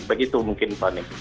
begitu mungkin panik